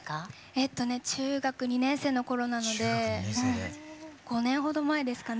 えっとね中学２年生のころなので５年ほど前ですかね。